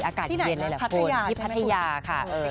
อากาศเย็นเลยละพวกที่พัทยาค่ะคันที่กลับค่ะที่ไหนล่ะพัทยาใช่ไหม